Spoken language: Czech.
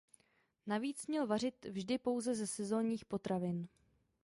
Navíc měl vařit vždy pouze ze sezónních potravin.